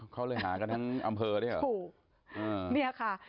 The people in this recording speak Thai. เขาเลยหากันทั้งอำเภอเนี่ยเหรอ